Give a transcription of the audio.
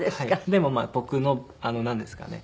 でもまあ僕のなんですかね。